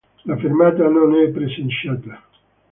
La fermata non è presenziata.